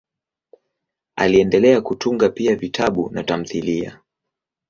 Aliendelea kutunga pia vitabu na tamthiliya.